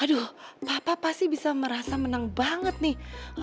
aduh papa pasti bisa merasa menang banget nih